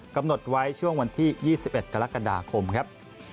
กำหนดไว้ช่วงวันที่๒๑กรกฎาคมครับ